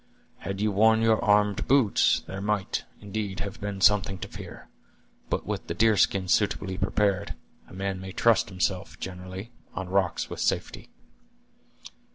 Had you worn your armed boots, there might, indeed, have been something to fear; but with the deer skin suitably prepared, a man may trust himself, generally, on rocks with safety.